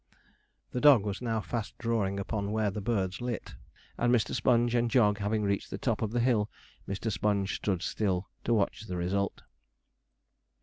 The dog was now fast drawing upon where the birds lit; and Mr. Sponge and Jog having reached the top of the hill, Mr. Sponge stood still to watch the result.